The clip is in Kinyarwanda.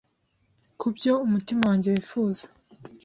kubyo umutima wanjye wifuza